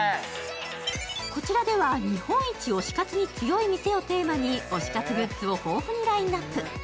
こちらでは日本一推し活に強い店をテーマに推し活グッズを豊富にラインナップ。